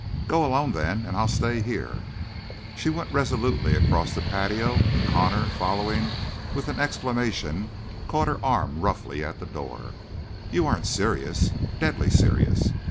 "Go alone, then, and I'll stay here." She went resolutely across the patio, and Connor, following with an exclamation, caught her arm roughly at the door. "You aren't serious?" "Deadly serious!"